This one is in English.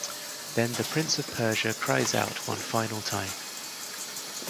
Then the Prince of Persia cries out one final time.